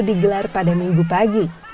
digelar pada minggu pagi